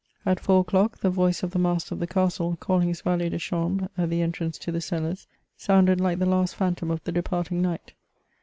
At four o'clock, the Toice of the master of the castle, calling his valet'de chambre at the entrance to the cellars, sounded like the last phantom of the departing night.